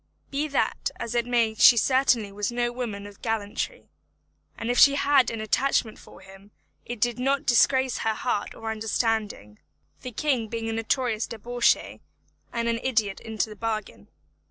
Be that as it may she certainly was no a woman of gallantry, and if she had an attachment for him it did not disgrace her heart or understanding, the king being a notorious debauchee and an idiot into the bargain.